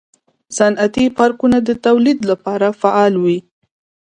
صنعتي پارکونه د تولید لپاره فعال وي.